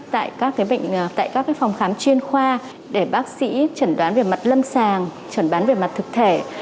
tại các phòng khám chuyên khoa để bác sĩ chẩn đoán về mặt lâm sàng chuẩn đoán về mặt thực thể